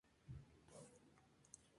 Clair y Talladega.